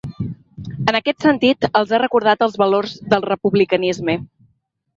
En aquest sentit, els ha recordat els valors del republicanisme.